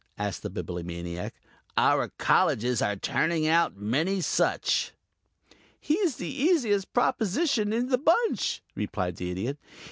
asked the Bibliomaniac. "Our Colleges are turning out many such." "He's the easiest proposition in the bunch," replied the Idiot.